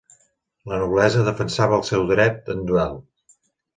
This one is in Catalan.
La noblesa defensava el seu dret en duel.